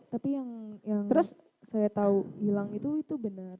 tapi yang terus saya tahu hilang itu benar